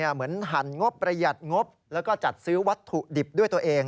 เหมือนหั่นงบประหยัดงบจัดซื้อวัตถุดิบด้วยตัวเอง